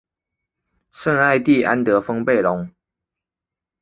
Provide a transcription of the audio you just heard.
圣艾蒂安德丰贝隆。